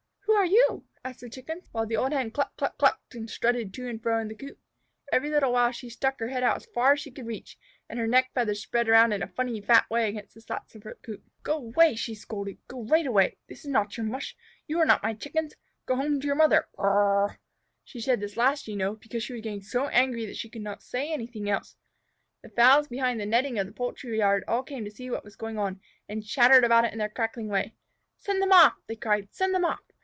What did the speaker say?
"Who are you?" asked the Chickens, while the old Hen cluck cluck clucked and strutted to and fro in the coop. Every little while she stuck her head out as far as she could reach, and her neck feathers spread around in a funny, fat way against the slats of her coop. "Go away!" she scolded. "Go right away! That is not your mush! You are not my Chickens! Go right home to your mother! Cr r r r r!" She said this last, you know, because she was getting so angry that she could say nothing else. The fowls behind the netting of the poultry yard all came to see what was going on, and chattered about it in their cackling way. "Send them off!" they cried. "Send them off!